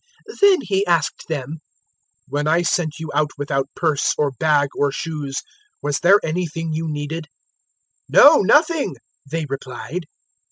022:035 Then He asked them, "When I sent you out without purse or bag or shoes, was there anything you needed?" "No, nothing," they replied.